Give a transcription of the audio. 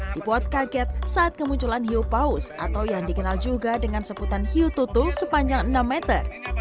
dipuat kaget saat kemunculan hiu paus atau yang dikenal juga dengan sebutan hiu tutul sepanjang enam meter